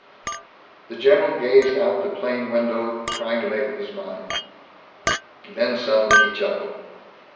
The general gazed out the plane window, trying to make up his mind. Then suddenly he chuckled.